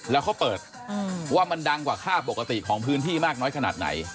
แล้วเขาเปิดว่ามันดังกว่าค่าปกติของพื้นที่มากน้อยขนาดไหน